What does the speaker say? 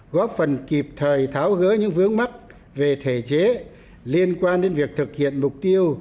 góp phần kịp thời tháo gỡ những vướng mắt về thể chế liên quan đến việc thực hiện mục tiêu